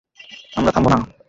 আমরা থামবো না!